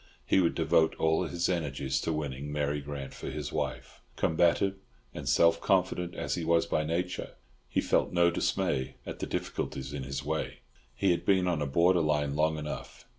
He would devote all his energies to winning Mary Grant for his wife; combative and self confident as he was by nature, he felt no dismay at the difficulties in his way. He had been on a borderline long enough.